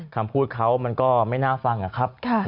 คำพูดเขามันก็ไม่น่าฟังนะครับ